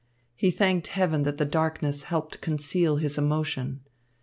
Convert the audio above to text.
He thanked heaven that the darkness helped conceal his emotion.